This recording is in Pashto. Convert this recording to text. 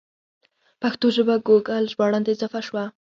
پښتو ژبه ګوګل ژباړن ته اضافه شوه.